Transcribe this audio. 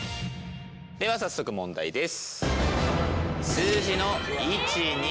では早速問題です！